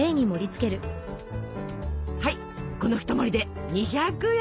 はいこの一盛りで２００円。